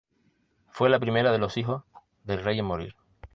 Fue la primera de los hijos del rey en morir.